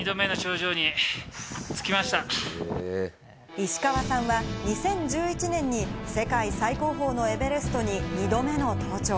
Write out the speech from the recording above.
石川さんは２０１１年に世界最高峰のエベレストに２度目の登頂。